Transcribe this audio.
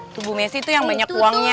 itu bu messi tuh yang banyak uangnya